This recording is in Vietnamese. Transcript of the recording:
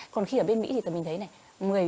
còn khi ở bên mỹ thì mình thấy này